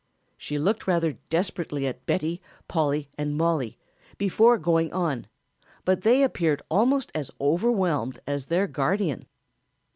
She looked rather desperately at Betty, Polly and Mollie before going on, but they appeared almost as overwhelmed as their guardian.